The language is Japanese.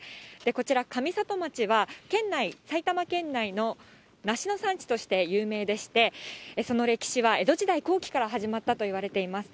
こちら、上里町は、県内、埼玉県内のなしの産地として有名でして、その歴史は江戸時代後期から始まったといわれています。